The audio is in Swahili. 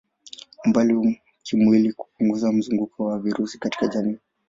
Umbali kimwili hupunguza mzunguko wa virusi katika jamii.